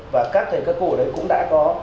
và các thầy các cô ở đấy cũng đã có